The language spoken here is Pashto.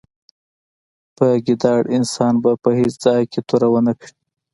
په ګیدړ انسان به په هېڅ ځای کې توره و نه کړې.